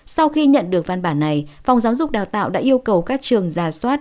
sau khi nhận được văn bản này phòng giáo dục đào tạo đã yêu cầu các trường giả soát